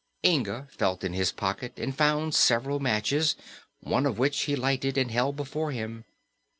Inga felt in his pocket and found several matches, one of which he lighted and held before him.